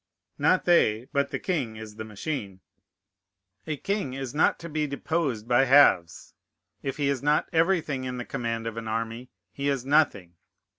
Not they, but the king is the machine. A king is not to be deposed by halves. If he is not everything in the command of an army, he is nothing.